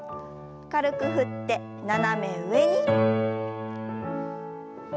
軽く振って斜め上に。